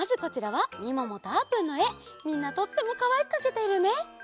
みんなとってもかわいくかけているね。